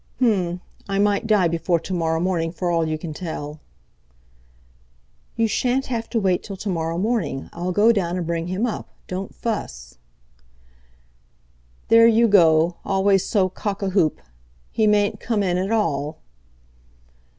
"Um! I might die before to morrow morning for all you can tell." "You shan't have to wait till to morrow morning; I'll go down and bring him up. Don't fuss!" "There you go—always so cock a hoop. He mayn't come in at all."